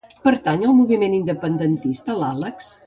Pertany al moviment independentista l'Àlex?